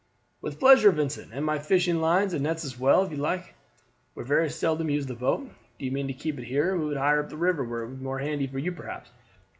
"With pleasure, Vincent; and my fishing lines and nets as well, if you like. We very seldom use the boat. Do you mean to keep it here or move it higher up the river, where it would be more handy for you, perhaps?"